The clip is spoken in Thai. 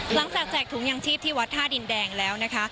แจกถุงยังชีพที่วัดท่าดินแดงแล้วนะคะ